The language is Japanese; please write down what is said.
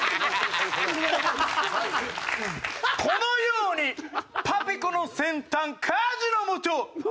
このようにパピコの先端火事のもと！